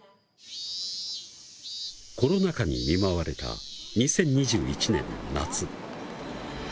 コロナ禍に見舞われた２０２１年、夏。